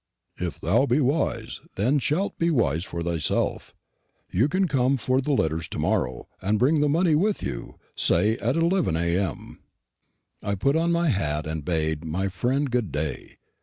'If thou be wise, then shalt be wise for thyself.' You can come for the letters tomorrow, and bring the money with you. Say at 11 A.M." I put on my hat and bade my friend good day.